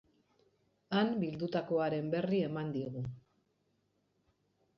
Han bildutakoaren berri eman digu.